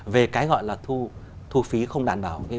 về cái gọi là thu phí không đảm bảo